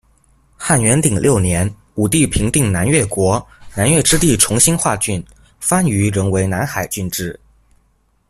汉元鼎六年，武帝平定南越国，南越之地重新划郡，番禺仍为南海郡治。